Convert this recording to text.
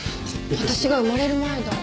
私が生まれる前だ。